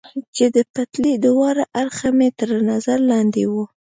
چې د پټلۍ دواړه اړخه مې تر نظر لاندې و.